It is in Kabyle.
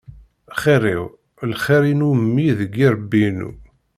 Xir-iw, lxir-inu mmi deg yirebbi-inu.